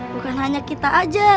bukan hanya kita saja